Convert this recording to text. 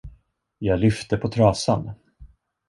Jag lyfte på trasan.